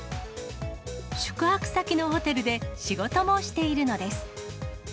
宿泊先のホテルで仕事もしているのです。